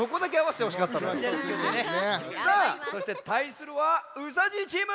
さあそしてたいするはうさじいチーム。